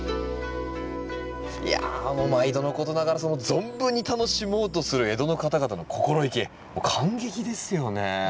いやもう毎度のことながらその存分に楽しもうとする江戸の方々の心意気感激ですよね。